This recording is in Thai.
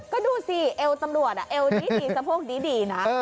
ก็ดูสิเอวตำรวจเอวดีสะโพกดีนะ